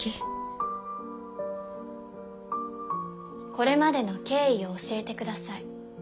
これまでの経緯を教えて下さい。